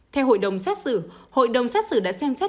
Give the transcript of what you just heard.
theo hội đồng xét xử hội đồng xét xử đã xem xét